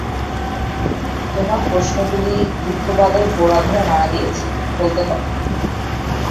তোমার প্রশ্নগুলি দুঃখবাদের গোড়া ধরে নাড়া দিয়েছে, বলতে হবে।